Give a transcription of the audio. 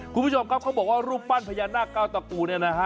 คุณผู้ชมครับเขาบอกว่ารูปปั้นพญานาคเก้าตระกูลเนี่ยนะฮะ